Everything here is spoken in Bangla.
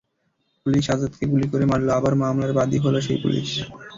পুলিশ আজাদকে গুলি করে মারল, আবার মামলার বাদীও হলো সেই পুলিশ।